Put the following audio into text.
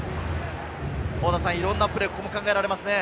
いろんなプレーが考えられますね。